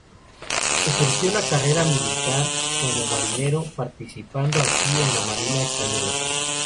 Ejerció la carrera de militar como marinero, participando así en la marina española.